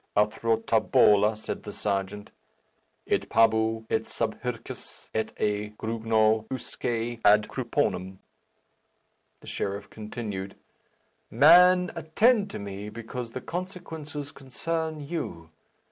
"A throtabolla," said the Serjeant, "et pabu et subhircis et a grugno usque ad crupponum." The sheriff continued, "Man, attend to me, because the consequences concern you.